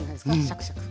シャクシャク。